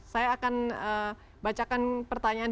saya akan bacakan pertanyaan